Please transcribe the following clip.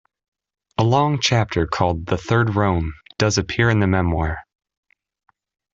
A long chapter called "The Third Rome" does appear in the memoir.